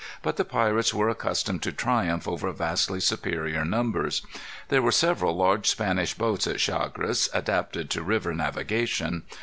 But the pirates were accustomed to triumph over vastly superior numbers. There were several large Spanish boats at Chagres, adapted to river navigation.